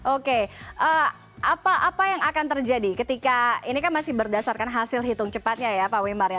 oke apa yang akan terjadi ketika ini kan masih berdasarkan hasil hitung cepatnya ya pak wimar ya